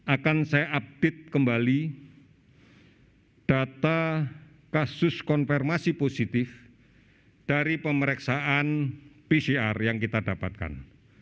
akan saya update kembali data kasus konfirmasi positif dari pemeriksaan pcr yang kita dapatkan